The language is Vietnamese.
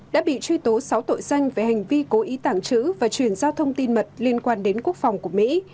đã bị truy tố sáu tội danh về hành vi cố ý tàng trữ và truyền giao thông tin mật liên quan đến quốc phòng của mỹ